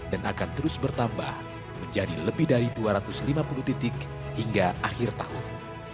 dan akan terus bertambah menjadi lebih dari dua ratus lima puluh titik hingga akhir tahun